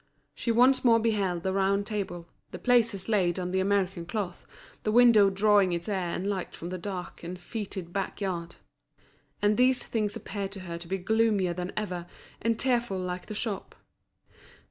She once more beheld the round table, the places laid on the American cloth, the window drawing its air and light from the dark and fetid back yard. And these things appeared to her to be gloomier than ever, and tearful like the shop.